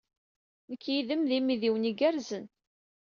Nekk yid-m d imidiwen igerrzen.